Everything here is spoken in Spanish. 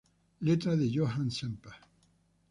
Letra de Johannes Semper.